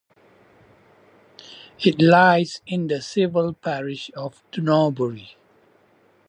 It lies in the civil parish of Norbury.